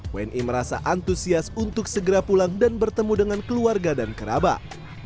wni merasa antusias untuk segera pulang dan bertemu dengan keluarga dan kerabat